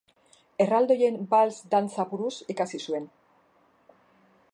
Erraldoien balts dantza buruz ikasi zuen.